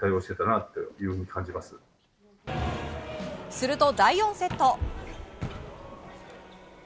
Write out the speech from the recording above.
すると第４セット。